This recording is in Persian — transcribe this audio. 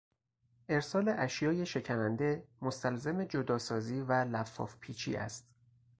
ارسال اشیای شکننده مستلزم جداسازی و لفافپیچی است.